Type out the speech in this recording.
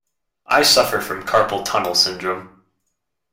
I suffer from carpal tunnel syndrome.